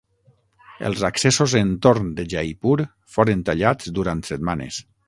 Els accessos entorn de Jaipur foren tallats durant setmanes.